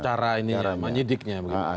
cara ini menyidiknya